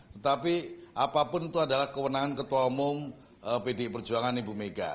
tetapi apapun itu adalah kewenangan ketua umum pdi perjuangan ibu mega